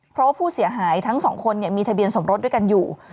เพราะว่าผู้เสียหายทั้งสองคนมีทะเบียนสมรสด้วยกันอยู่